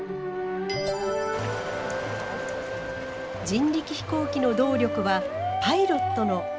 人力飛行機の動力はパイロットの脚。